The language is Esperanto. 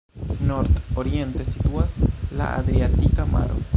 Nord-oriente situas la Adriatika maro.